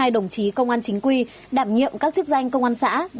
ba trăm sáu mươi hai đồng chí công an chính quy đảm nhiệm các chức danh công an xã